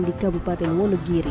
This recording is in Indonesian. di kabupaten monogiri